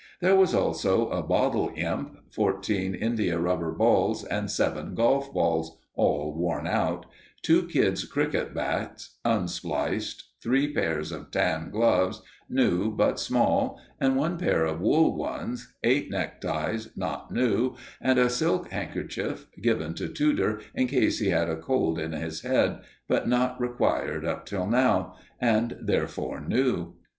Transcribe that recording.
There was also a bottle imp, fourteen indiarubber balls and seven golf balls all worn out two kids' cricket bats unspliced, three pairs of tan gloves new but small and one pair of wool ones, eight neckties, not new, and a silk handkerchief, given to Tudor in case he had a cold in his head, but not required up till now, and therefore new.